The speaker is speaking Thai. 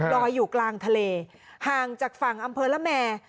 ลอยอยู่กลางทะเลห่างจากฝั่งอำเภอละแมร์